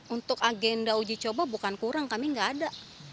untuk agenda uji coba bukan kurang kami nggak ada